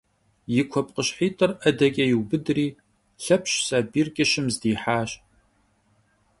Yi kuepkhışhit'ır 'edeç'e yiubıdri, Lhepş sabiyr ç'ışım zdihaş.